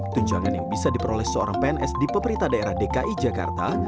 tunjangan yang bisa diperoleh seorang pns di pemerintah daerah dki jakarta